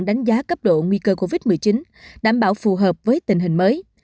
đánh giá cấp độ nguy cơ covid một mươi chín đảm bảo phù hợp với tình hình mới